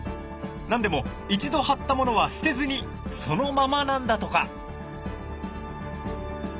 何でも一度貼ったものは捨てずにそのままなんだとか。